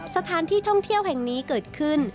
สถานที่ท่องเที่ยวแห่งนี้เกิดขึ้น